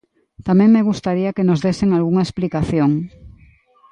Tamén me gustaría que nos desen algunha explicación.